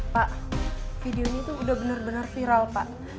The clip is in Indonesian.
pak video ini tuh udah bener bener viral pak